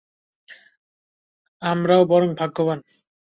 আমরাই বরং ভাগ্যবান।